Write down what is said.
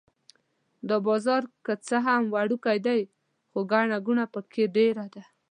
دا بازار که څه هم وړوکی دی خو ګڼه ګوڼه په کې ډېره ده.